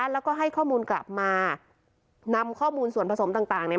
แล้วก็ให้ข้อมูลกลับมานำข้อมูลส่วนผสมต่างเนี่ย